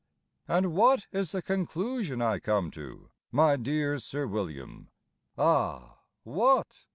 And what is the conclusion I come to, my dear Sir William, Ah, what?